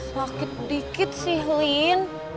sakit dikit sih lin